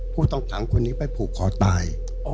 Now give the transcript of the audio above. ผู้ต้องขังคนนี้ไปผูกคอตาย